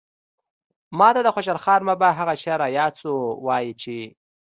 ماته د خوشال بابا هغه شعر راياد شو وايي چې